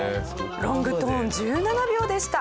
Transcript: ロングトーン１７秒でした。